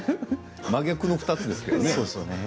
真逆の２つですね。